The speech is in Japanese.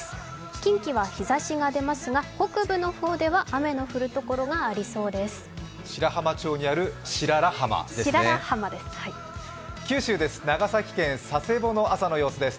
近畿は晴れますが北部の方では雨の降るところがありそうです。